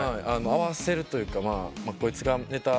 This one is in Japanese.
合わせるというかこいつがネタ